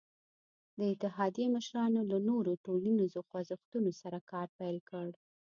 د اتحادیې مشرانو له نورو ټولنیزو خوځښتونو سره کار پیل کړ.